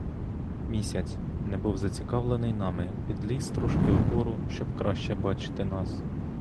Місяць, немов зацікавлений нами, підліз трошки вгору, щоб краще бачити нас.